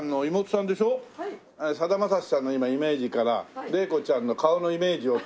さだまさしさんの今イメージから玲子ちゃんの顔のイメージを今作り上げて。